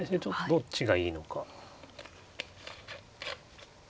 どっちがいいのか。